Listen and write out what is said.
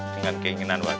dengan keinginan warga